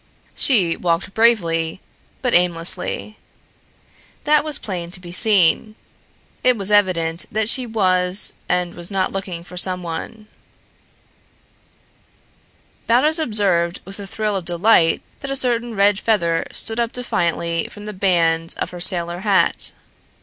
She walked bravely, but aimlessly. That was plain to be seen. It was evident that she was and was not looking for someone. Baldos observed with a thrill of delight that a certain red feather stood up defiantly from the band of her sailor hat.